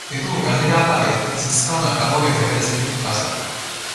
Titul kandidáta věd získal na Karlově univerzitě v Praze.